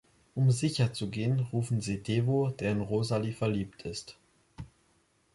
Um sicherzugehen, rufen sie Devo, der in Rosalie verliebt ist.